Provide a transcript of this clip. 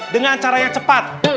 dengan cara yang cepat